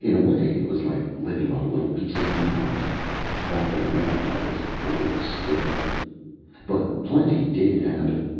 In a way, it was like living on a little piece of Mars. Often enough I was bored stiff. But plenty did happen.